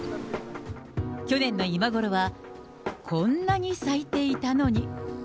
去年の今頃はこんなに咲いていたのに。